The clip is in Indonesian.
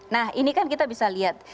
nah ini kan kita bisa lihat